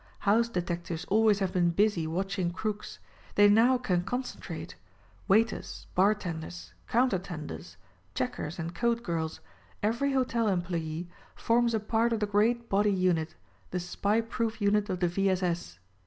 House detectives always have been busy watching crooks. They now can concentrate. Waiters, bartenders, counter tenders, checkers and coat girls — every hotel employee forms a part of the great body unit, the SPY proof unit of the V. S. S.